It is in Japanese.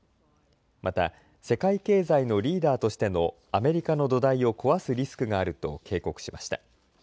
また世界経済のリーダーとしてのアメリカの土台を壊すリスクがあると警告しました。